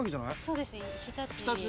そうです。